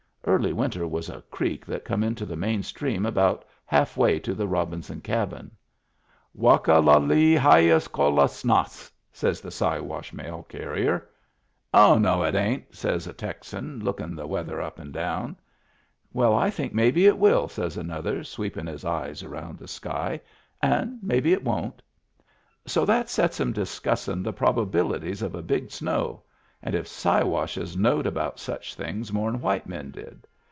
Early Winter was a creek that come into the main stream about halfway to the Robinson Cabin. " Wake la le hyas cole snass^' says the Siwash mail carrier. " Oh, no, it ain't," says a Texan, lookin' the weather up and down. "Well, I think maybe it will," says another, sweepin' his eyes around the sky. " And maybe it won't." So that sets 'em discussin' the probabilities of a big snow and if Siwashes knowed about such things more'n white men did.